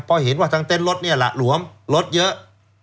เพราะเห็นว่าทั้งเต้นรถเนี่ยหละหลวมรถเยอะ